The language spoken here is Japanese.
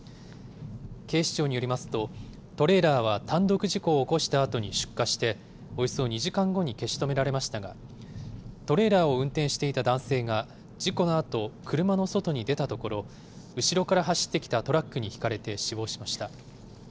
警視庁によりますと、トレーラーは単独事故を起こしたあとに出火して、およそ２時間後に消し止められましたが、トレーラーを運転していた男性が事故のあと車の外に出たところ、後ろから走ってきたトラックにひかれて死亡しました。